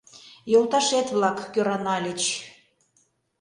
Йолташет-влак кöранальыч